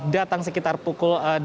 datang sekitar pukul